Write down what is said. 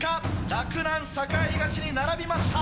洛南栄東に並びました！